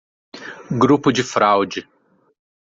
Grupo de fraude